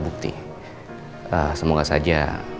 bukti semoga saja